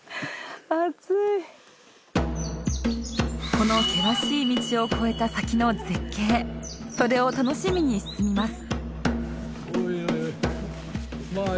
この険しい道を越えた先の絶景それを楽しみに進みます